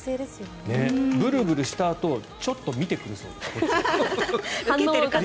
ブルブルしたあと、ちょっとこっちを見てくるそうです。